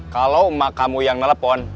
kalau emak kamu yang ngelepon